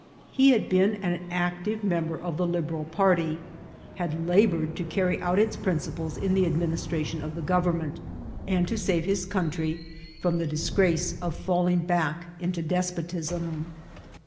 He had been an ac tive member of the Liberal party ; had laboured to car ry out its principles in the administration of the govern ment, and to save his country from the disgrace of SM IKCIDBITTS OP TEATBL. Uling back into drnpotiam.